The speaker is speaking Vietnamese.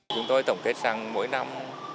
chúng tôi tổng kết rằng mỗi năm